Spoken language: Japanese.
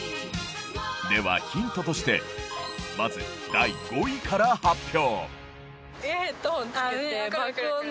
ではヒントとしてまず第５位から発表。